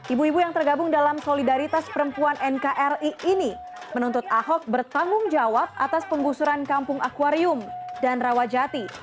ibu ibu yang tergabung dalam solidaritas perempuan nkri ini menuntut ahok bertanggung jawab atas penggusuran kampung akwarium dan rawajati